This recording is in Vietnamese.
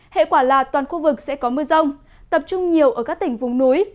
hệ quả là toàn khu vực sẽ có mưa rông tập trung nhiều ở các tỉnh vùng núi